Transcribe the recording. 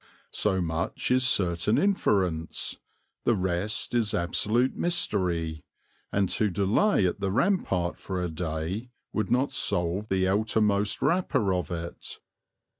So much is certain inference; the rest is absolute mystery, and to delay at the rampart for a day would not solve the outermost wrapper of it.